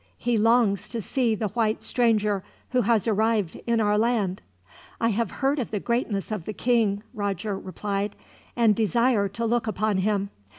"He longs to see the white stranger who has arrived in our land." "I have heard of the greatness of the king," Roger replied, "and desire to look upon him.